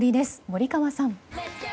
森川さん。